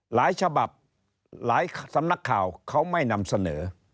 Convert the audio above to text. หลายฉบับหลายสำนักข่าวเขาไม่นำเสนอ